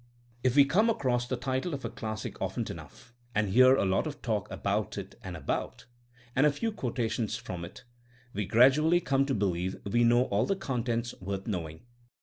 If we come across the title of a classic often enough, and hear a lot of talk about it and about" and a few quotations from it, we gradually come to believe we know all the contents worth know ing.